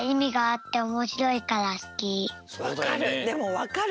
わかる。